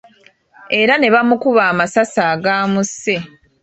Era ne bamukuba amasasi agamusse.